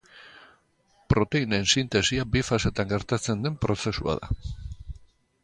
Proteinen sintesia bi fasetan gertatzen den prozesua da.